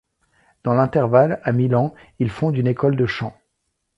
Dans l'intervalle, à Milan, il fonde une école de chant.